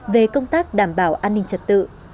về công tác đảm bảo an ninh trật tự